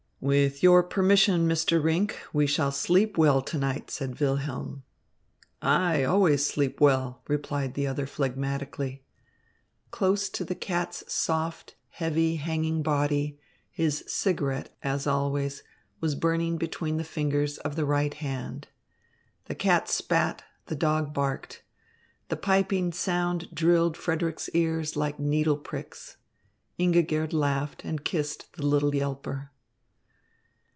"With your permission, Mr. Rinck, we shall sleep well to night," said Wilhelm. "I always sleep well," replied the other phlegmatically. Close to the cat's soft, heavy, hanging body, his cigarette, as always, was burning between the fingers of his right hand. The cat spat, the dog barked. The piping sound drilled Frederick's ears like needle pricks. Ingigerd laughed and kissed the little yelper.